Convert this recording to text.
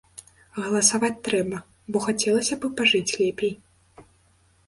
Галасаваць трэба, бо хацелася б і пажыць лепей.